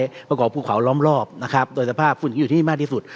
เกาะเกาะภูเขาล้อมรอบนะครับโดยธรรมภาพฝุ่นอยู่ที่นี่มากที่สุด